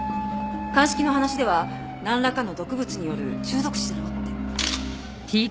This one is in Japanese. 鑑識の話ではなんらかの毒物による中毒死だろうって。